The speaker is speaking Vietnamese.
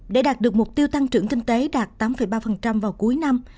để đạt được mục tiêu tăng trưởng kinh tế đạt tám ba vào cuối năm